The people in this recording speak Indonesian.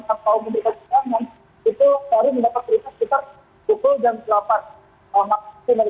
setelah pemerintah keamanan itu baru mendapat periksa sekitar pukul dan delapan malam